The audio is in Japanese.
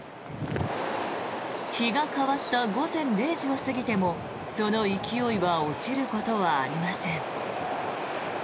日が変わった午前０時を過ぎてもその勢いは落ちることはありません。